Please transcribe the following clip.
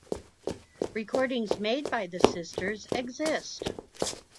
Recordings made by the sisters exist.